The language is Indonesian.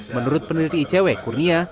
menurut peneliti icw kurnia